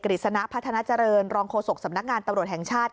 ฤษณะพัฒนาเจริญรองโฆษกสำนักงานตำรวจแห่งชาติ